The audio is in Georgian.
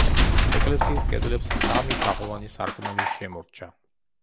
ეკლესიის კედლებს სამი თაღოვანი სარკმელი შემორჩა.